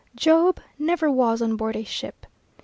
Job never was on board a ship.